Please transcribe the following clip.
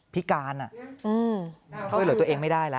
พิการช่วยเหลือตัวเองไม่ได้แล้ว